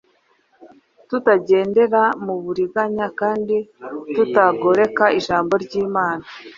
tutagendera mu buriganya kandi tutagoreka ijambo ry’Imana,